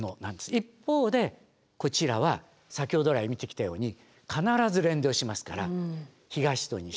一方でこちらは先ほどらい見てきたように必ず連動しますから東と西と。